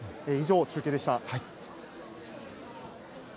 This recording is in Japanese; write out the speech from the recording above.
以上、中継でした。